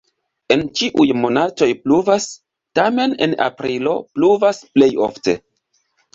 En ĉiuj monatoj pluvas, tamen en aprilo pluvas plej ofte.